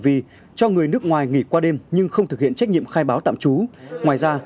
vì cho người nước ngoài nghỉ qua đêm nhưng không thực hiện trách nhiệm khai báo tạm trú ngoài ra